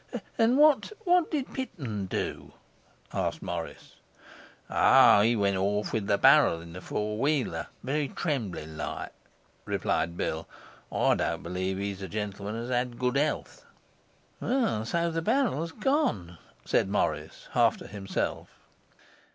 'And what what did Pitman do?' asked Morris. 'O, he went off with the barrel in a four wheeler, very trembling like,' replied Bill. 'I don't believe he's a gentleman as has good health.' 'Well, so the barrel's gone,' said Morris, half to himself.